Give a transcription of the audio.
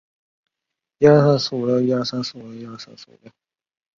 崇礼区长城列表旨在列出中国河北省西部张家口市崇礼区的长城墙体及附属设施。